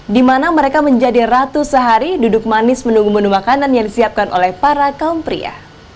di mana mereka menjadi ratu sehari duduk manis menunggu menu makanan yang disiapkan oleh para kaum pria